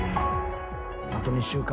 あと２週間。